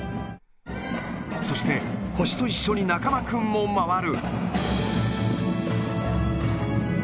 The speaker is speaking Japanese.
そして、星と一緒に中間君も回る。